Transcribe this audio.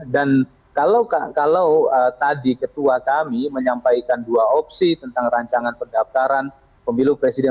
dan kalau tadi ketua kami menyampaikan dua opsi tentang rancangan pendaftaran pemilu presiden